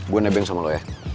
gue nebeng sama lo ya